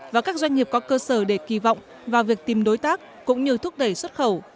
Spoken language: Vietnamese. và các doanh nghiệp có cơ sở để kỳ vọng vào việc tìm đối tác cũng như thúc đẩy xuất khẩu